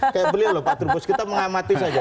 kayak beliau lho pak trubus kita mengamati saja